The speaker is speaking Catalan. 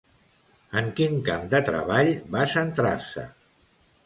En quin camp de treball va centrar-se?